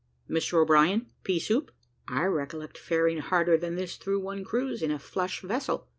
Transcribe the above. Mr O'Brien, pea soup? I recollect faring harder than this through one cruise, in a flush vessel.